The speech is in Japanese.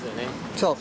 そう。